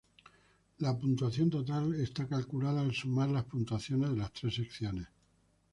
La puntuación total es calculada al sumar las puntuaciones de las tres secciones.